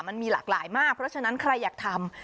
มันมีหลากหลายมากเพราะฉะนั้นใครอยากทำ